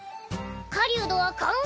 狩人は歓迎